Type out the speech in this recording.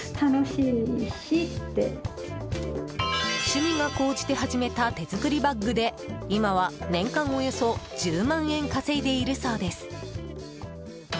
趣味が高じて始めた手作りバッグで今は年間およそ１０万円稼いでいるそうです。